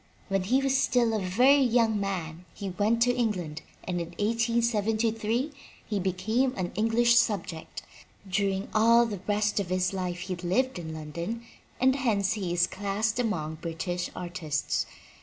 When he was still a very young man he went to England and in 1873 he became a British subject. During all the rest of his life he lived in London and hence he is classed among British ar tists.